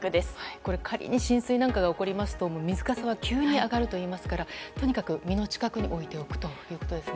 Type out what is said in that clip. これ、仮に浸水なんかが起こりますと水かさが急に上がるといいますからとにかく身の近くに置いておくということですね。